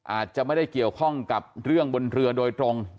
อาจจะไม่ได้เกี่ยวข้องกับเรื่องบนเรือโดยตรง